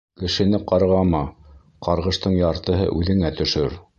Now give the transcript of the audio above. Кешене ҡарғама: ҡарғыштың яртыһы үҙеңә төшөр.